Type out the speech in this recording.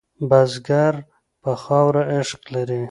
بزګر په خاوره عشق لري